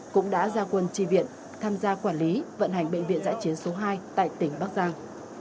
cũng đã ra quân tri viện tham gia quản lý vận hành bệnh viện giã chiến số hai tại tỉnh bắc giang